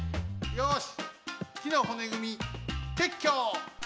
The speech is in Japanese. よし！